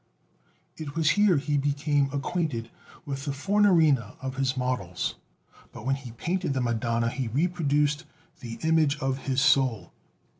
It was here he became acquainted with the Fornarina and his models. But when he painted the Madonna he reproduced "the image of his soul."